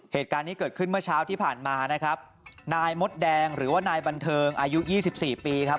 เหตุการณ์นี้เกิดขึ้นเมื่อเช้าที่ผ่านมานะครับนายมดแดงหรือว่านายบันเทิงอายุยี่สิบสี่ปีครับ